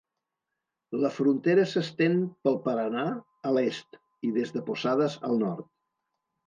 La frontera s'estén pel Paranà, a l'est, i des de Posadas al nord.